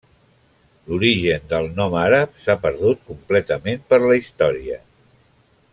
L'origen del nom àrab s'ha perdut completament per la història.